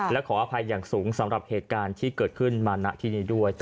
และขออภัยอย่างสูงสำหรับเหตุการณ์ที่เกิดขึ้นมาณที่นี้ด้วย